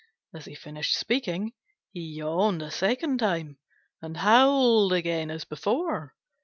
As he finished speaking he yawned a second time and howled again as before.